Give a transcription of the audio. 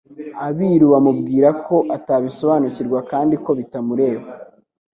abiru bamubwira ko atabisobanukirwa kandi ko bitamureba.